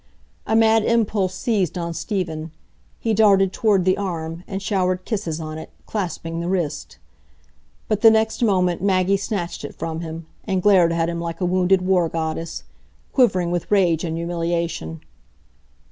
A mad impulse seized on Stephen; he darted toward the arm, and showered kisses on it, clasping the wrist. But the next moment Maggie snatched it from him, and glared at him like a wounded war goddess, quivering with rage and humiliation.